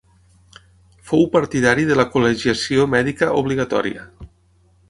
Fou partidari de la col·legiació mèdica obligatòria.